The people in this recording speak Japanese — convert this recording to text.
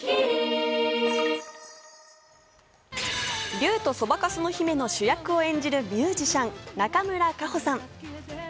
『竜とそばかすの姫』の主役を演じるミュージシャン・中村佳穂さん。